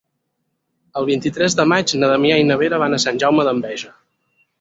El vint-i-tres de maig na Damià i na Vera van a Sant Jaume d'Enveja.